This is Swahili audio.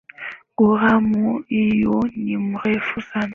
Ghuramu huyu ni mrefu sana.